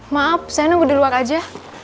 maaf saya nunggu di luar aja